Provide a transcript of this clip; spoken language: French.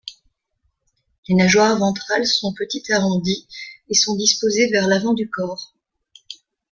Les nageoires ventrales sont petites et arrondies et sont disposées vers l’avant du corps.